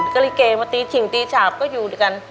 ก็ลิเกมาตีฉิงตีฉาบก็อยู่ด้วยกัน